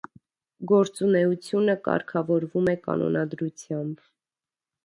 Գործունեությունը կարգավորվում է կանոնադրությամբ։